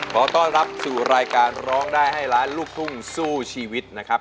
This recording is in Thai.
ขอต้อนรับสู่รายการร้องได้ให้ล้านลูกทุ่งสู้ชีวิตนะครับ